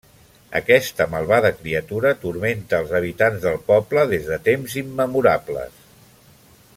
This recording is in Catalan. Aquesta malvada criatura turmenta als habitants del poble des de temps immemorables.